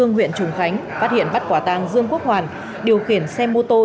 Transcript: tổng công an tỉnh cao bằng huyện trùng khánh phát hiện bắt quả tàng dương quốc hoàn điều khiển xe mô tô